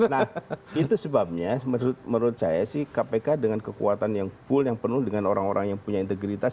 nah itu sebabnya menurut saya sih kpk dengan kekuatan yang full yang penuh dengan orang orang yang punya integritas